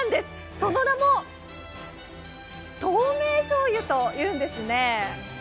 その名も、透明醤油というんですね